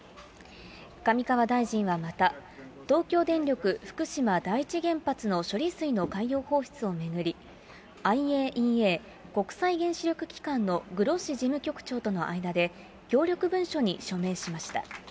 上川大臣はまた、東京電力福島第一原発の処理水の海洋放出を巡り、ＩＡＥＡ・国際原子力機関のグロッシ事務局長との間で、協力文書に署名しました。